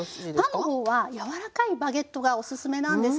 パンの方は柔らかいバゲットがオススメなんですけれども。